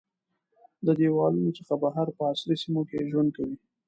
د دیوالونو څخه بهر په عصري سیمو کې ژوند کوي.